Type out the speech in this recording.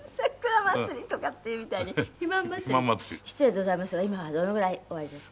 失礼でございますが今はどのぐらいあおりですか？